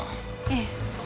ええ。